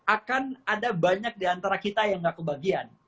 akan ada banyak di antara kita yang nggak kebagian